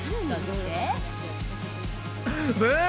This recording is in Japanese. そして。